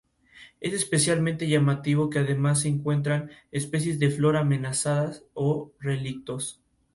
El abdomen es largo y carece de cercos.